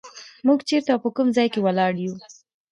موږ چېرته او په کوم ځای کې ولاړ یو.